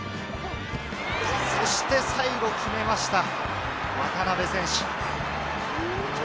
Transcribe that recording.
そして最後決めました、渡邊選手。